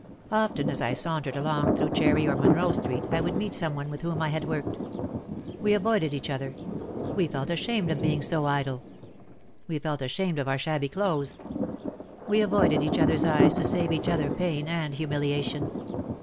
Often as I sauntered along through Cherry or Monroe Street I would meet some one with whom I had worked. We avoided each other. We felt ashamed of being seen idle. We felt ashamed of our shabby clothes. We avoided each other's eyes to save each other pain and humiliation.